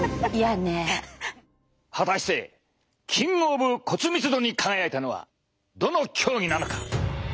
果たしてキングオブ骨密度に輝いたのはどの競技なのか？